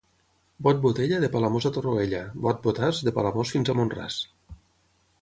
Bot, botella, de Palamós a Torroella; bot, botàs, de Palamós fins a Mont-ras.